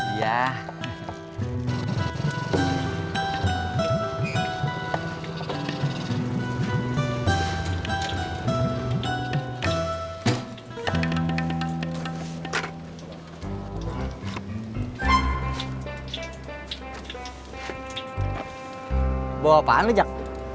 bawa apaan lo jak